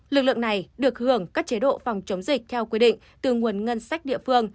lực lượng này được hưởng các chế độ phòng chống dịch theo quy định từ nguồn ngân sách địa phương